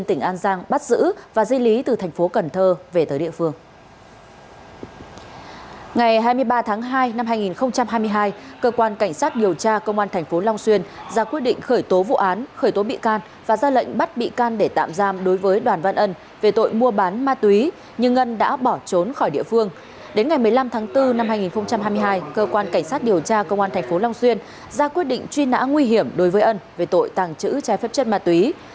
một mươi năm tháng bốn năm hai nghìn hai mươi hai cơ quan cảnh sát điều tra công an tp long xuyên ra quyết định truy nã nguy hiểm đối với ấn về tội tàng trữ trái phép chất ma túy